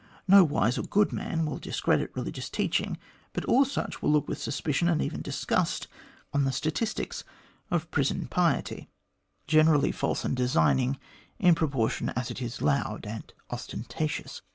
No wise or good man will discredit religious teaching, but all such will look with suspicion, and even disgust, on the statistics of prison piety generally false and designing in proportion as it is loud and ostentatious."